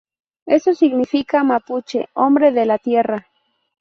Eso significa mapuche: hombre de la tierra".